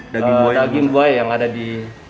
daging buaya yang ada di